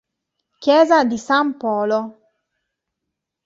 Chiesa di San Polo